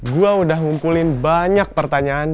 gue udah ngumpulin banyak pertanyaan